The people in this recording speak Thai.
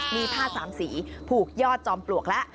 มีผ้าสามสีผูกยอดจอมปลวกแล้ว